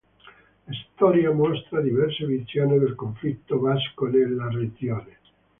La storia mostra diverse visioni del conflitto basco nella regione.